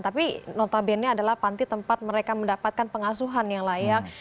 tapi notabene adalah panti tempat mereka mendapatkan pengasuhan yang layak